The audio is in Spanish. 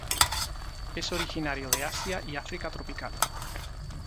Es originario de Asia y África tropical.